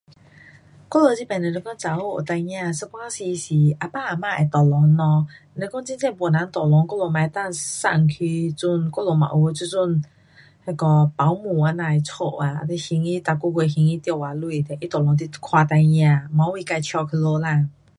我们这边如果说女人有孩儿有时候是啊爸啊妈会 tolong 咯。如讲真真没人 tolong 我们嘛能够送去我们也有这种那个保姆这样的家顾啊。你还她每个月还她多少钱，她 tolong 你看孩儿。晚上自带回家啦。